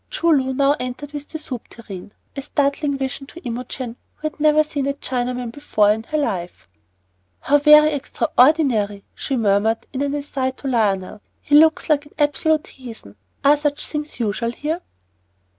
Choo Loo now entered with the soup tureen, a startling vision to Imogen, who had never seen a Chinaman before in her life. "How very extraordinary!" she murmured in an aside to Lionel. "He looks like an absolute heathen. Are such things usual here?"